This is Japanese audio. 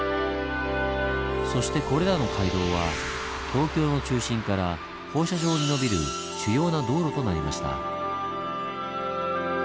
そしてこれらの街道は東京の中心から放射状にのびる主要な道路となりました。